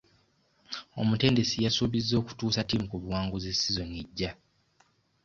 Omutendesi yasuubizza okutuusa ttiimu ku buwanguzi sizoni ejja.